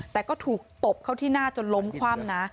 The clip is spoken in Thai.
แต่ก็ถูกตบเข้าที่หน้าจนล้มคว่ำนะ